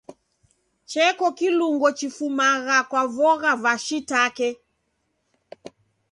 Cheko kilungo chifumagha kwa vogha va shiitake.